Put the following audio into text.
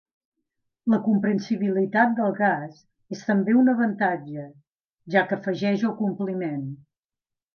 La compressibilitat del gas és també un avantatge ja que afegeix el compliment.